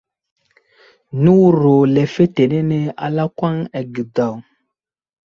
Newuro lefetenene a lakwan age daw.